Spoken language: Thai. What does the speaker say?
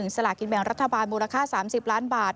สลากินแบ่งรัฐบาลมูลค่า๓๐ล้านบาท